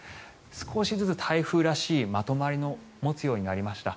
少しずつ台風らしいまとまりを持つようになりました。